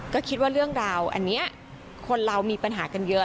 ก็คิดว่าเรื่องราวอันนี้คนเรามีปัญหากันเยอะ